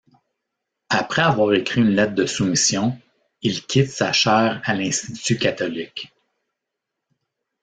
Après avoir écrit une lettre de soumission, il quitte sa chaire à l'Institut catholique.